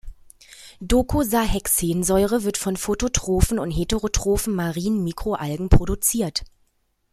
Docosahexaensäure wird von phototrophen und heterotrophen, marinen Mikroalgen produziert.